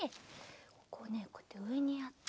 ここをねこうやってうえにやって。